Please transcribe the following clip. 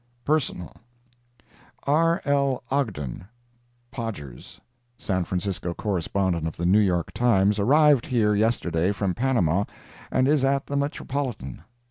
PERSONAL R. L. Ogden, ("Podgers"), San Francisco correspondent of the New York Times, arrived here yesterday from Panama, and is at the Metropolitan.